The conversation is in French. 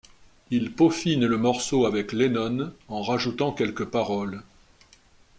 Il peaufine le morceau avec Lennon en rajoutant quelques paroles.